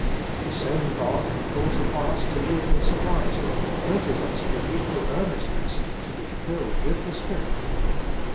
The same God who calls upon, us to live in sobriety urges us with equal earnestness to be filled with the Spirit.